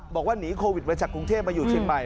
บอกว่าหนีโควิดมาจากกรุงเทพมาอยู่เชียงใหม่